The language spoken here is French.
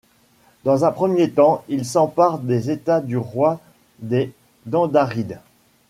Dans un premier temps il s’empare des États du roi des Dandarides.